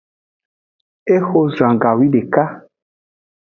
Exo zan gawideka.